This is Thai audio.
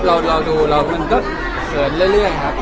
เราดูก็เกินเรื่อยนะครับ